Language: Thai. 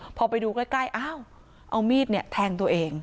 พอไปดูใกล้อ้าวเอามีดเนี่ยแทงตัวเอง